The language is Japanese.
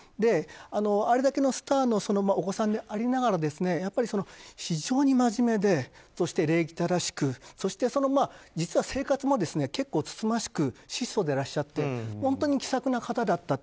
あれだけのスターのお子さんでありながら非常にまじめで礼儀正しくそして実は生活も結構つつましく質素でいらっしゃって本当に気さくな方だったと。